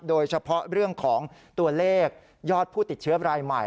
โดยเฉพาะเรื่องของตัวเลขยอดผู้ติดเชื้อรายใหม่